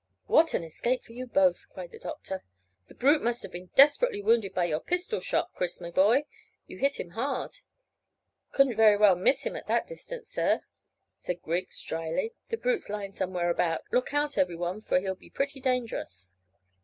"What an escape for you both!" cried the doctor. "The brute must have been desperately wounded by your pistol shot, Chris, my boy. You hit him hard." "Couldn't very well miss him at that distance, sir," said Griggs dryly. "The brute's lying somewhere about. Look out, every one, for he'll be pretty dangerous."